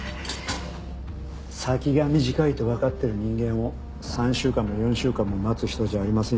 先が短いとわかってる人間を３週間も４週間も待つ人じゃありませんよ